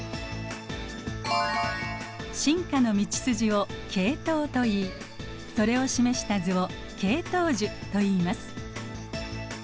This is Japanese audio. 進化の道筋を系統といいそれを示した図を系統樹といいます。